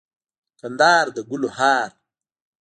کندهار دګلو هار